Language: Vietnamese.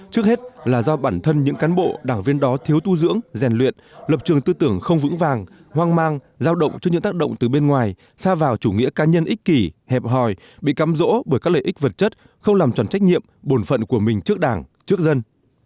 trước hết là do bản thân những cán bộ đảng viên đó thiếu tu dưỡng rèn luyện lập trường tư tưởng không vững vàng hoang mang giao động cho những tác động từ bên ngoài xa vào chủ nghĩa cá nhân ích kỷ hẹp hòi bị cắm rỗ bởi các lợi ích vật chất không làm tròn trách nhiệm bổn phận của mình trước đảng trước dân